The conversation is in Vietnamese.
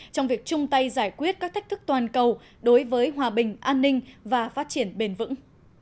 trong việc chung tay giải quyết các thách thức toàn cầu đối với hòa bình an ninh và phát triển bền vững